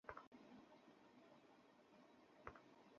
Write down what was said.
এয়ারপোর্টে দেখা করবে আমার সাথে।